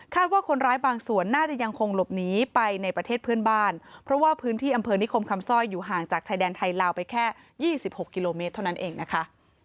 ว่าคนร้ายบางส่วนน่าจะยังคงหลบหนีไปในประเทศเพื่อนบ้านเพราะว่าพื้นที่อำเภอนิคมคำซ่อยอยู่ห่างจากชายแดนไทยลาวไปแค่๒๖กิโลเมตรเท่านั้นเองนะคะ